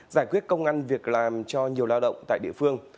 giải quyết công an việc làm cho nhiều lao động tại địa phương